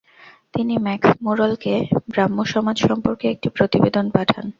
তিনি ম্যাক্স মুলরকে ব্রাহ্মসমাজ সম্পর্কে একটি প্রতিবেদন পাঠান।